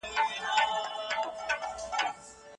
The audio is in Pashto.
د پړانګ کرښې له بهره دي، خو د انسان کرښې دننه وي.